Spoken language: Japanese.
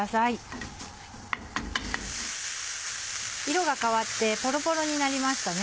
色が変わってポロポロになりましたね。